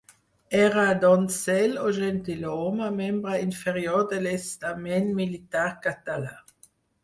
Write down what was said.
Era donzell o gentilhome, membre inferior de l'estament militar català.